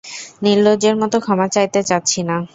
নির্লজ্জের মতো ক্ষমা চাইতে চাচ্ছি না।